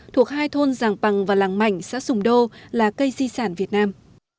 thuộc hai thôn giàng bằng và làng mảnh xã sùng đô là cây di sản việt nam